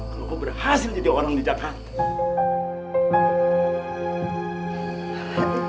kau berhasil jadi orang di jakarta